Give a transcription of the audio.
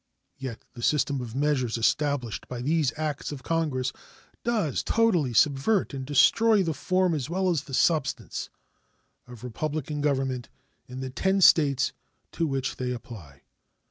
Yet the system of measures established by these acts of Congress does totally subvert and destroy the form as well as the substance of republican government in the ten States to which they apply.